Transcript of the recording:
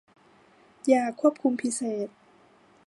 ยาควบคุมพิเศษ